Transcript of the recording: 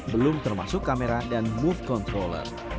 belum termasuk kamera dan move controller